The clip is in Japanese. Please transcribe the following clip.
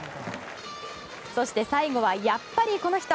そして最後はやっぱりこの人。